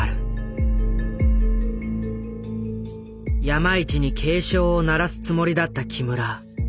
山一に警鐘を鳴らすつもりだった木村。